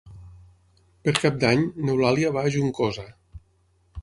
Per Cap d'Any n'Eulàlia va a Juncosa.